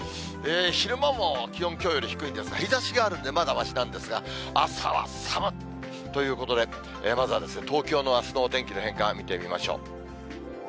昼間も気温、きょうより低いんですが、日ざしがあるんで、まだましなんですが、朝はさむっ、ということで、まずは東京のあすのお天気の変化、見てみましょう。